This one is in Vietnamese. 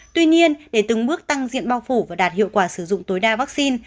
tuy nhiên để từng bước tăng diện bao phủ và đạt hiệu quả sử dụng tối đa vaccine